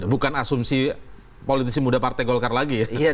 bukan asumsi politisi muda partai golkar lagi ya